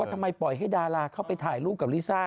ทำไมปล่อยให้ดาราเข้าไปถ่ายรูปกับลิซ่า